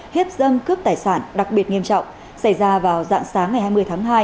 hiếp dâm cướp tài sản đặc biệt nghiêm trọng xảy ra vào dạng sáng ngày hai mươi tháng hai